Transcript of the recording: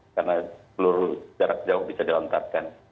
karena seluruh jarak jauh bisa dilontarkan